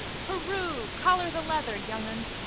Hurroo! Collar the leather, youngun.